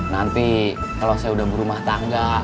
nanti kalau saya udah berumah tangga